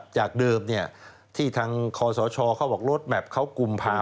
จากเดิมที่ทางคอสชเขาบอกลดแมพเขากุมภา